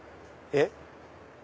えっ？